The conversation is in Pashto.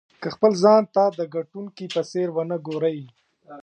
که خپل ځان ته د ګټونکي په څېر ونه ګورئ.